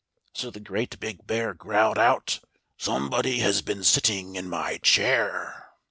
So the great big bear growled out : 1 *$ "SOMEBODY HAS BEEN SITTING IN MY CHAIR!"